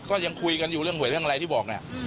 ก็ยังคุยกันอยู่เรื่องหวยเรื่องอะไรที่บอกเนี่ย